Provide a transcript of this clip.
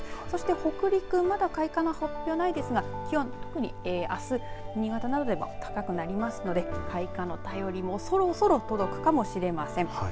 そして、北陸、まだ開花の発表は、ないですがあす、新潟などでは高くなりますので開花の便りもそろそろくるかもしれません。